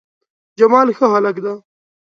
جمال ښه هلک ده